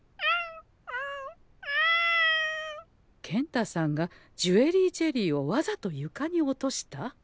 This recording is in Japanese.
健太さんがジュエリージェリーをわざとゆかに落とした？